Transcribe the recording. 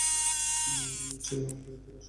নিশ্চয়ই অফ-গ্রিড থেকে আসছে।